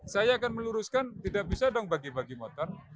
saya akan meluruskan tidak bisa dong bagi bagi motor